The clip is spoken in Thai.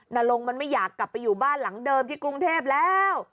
นรงมันไม่อยากกลับไปอยู่บ้านหลังเดิมที่กรุงเทพแล้ว